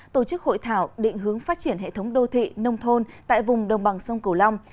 tổ chức hội thảo định hướng phát triển hệ thống đô thị nông thôn tại vùng đồng bằng sông cửu long